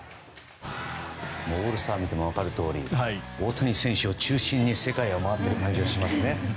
オールスターを見ても分かるとおり大谷選手を中心に世界が回っている感じがしますね。